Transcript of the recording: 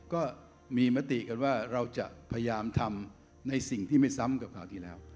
ก็มีมติกันว่าเราจะพยายามทำในสิ่งที่ไม่ซ้ำกับคราวที่แล้ว